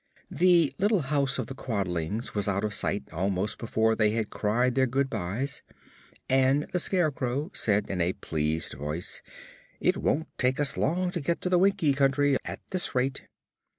The little house of the Quadlings was out of sight almost before they had cried their good byes, and the Scarecrow said in a pleased voice: "It won't take us long to get to the Winkie Country, at this rate."